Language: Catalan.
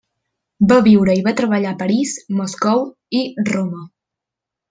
Va viure i va treballar a París, Moscou i Roma.